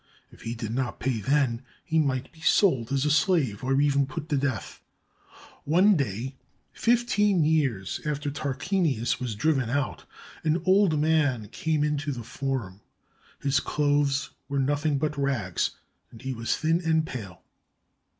If he did not pay then, he might be sold as a slave or even put to death. One day, fifteen years after Tar quinius was driven out, an old man came into the forum. His clothes were nothing but rags, and he was thin and pale.